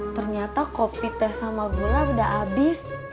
ternyata kopi teh sama gula udah habis